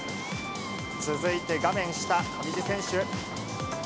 続いて画面下、上地選手。